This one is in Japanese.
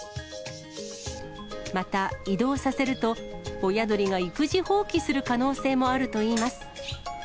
また移動させると、親鳥が育児放棄する可能性もあるといいます。